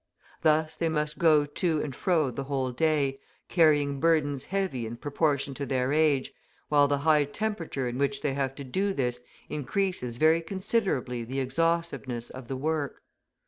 Thus they must go to and fro the whole day, carrying burdens heavy in proportion to their age, while the high temperature in which they have to do this increases very considerably the exhaustiveness of the work.